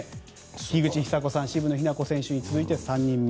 樋口久子さん、渋野日向子選手に続いて３人目。